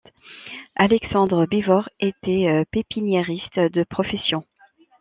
Alexandre Bivort était pépiniériste de profession.